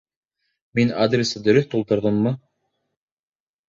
Мин адресты дөрөҫ тултырҙыммы?